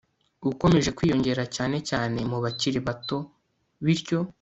ukomeje kwiyongera cyane cyane mu bakiri bato Bityo